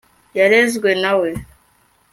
yarezwe na we